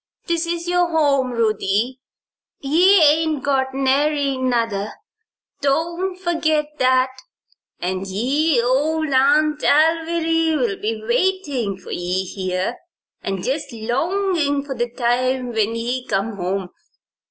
This is your home, Ruthie; ye ain't got nary 'nother don't fergit that. And yer old A'nt Alviry'll be waitin' for ye here, an' jest longin' for the time when ye come home."